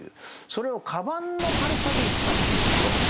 それを鞄の軽さで言ったっていうところ。